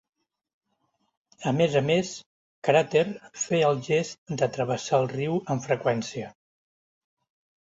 A més a més, Cràter feia el gest de travessar el riu amb freqüència.